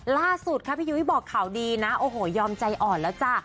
ล่าสุดค่ะพี่ยุ้ยบอกข่าวดีนะโอ้โหยอมใจอ่อนแล้วจ้ะ